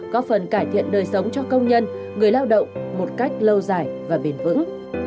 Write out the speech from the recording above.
có phần cải thiện đời sống cho công nhân người lao động một cách lâu dài và bền vững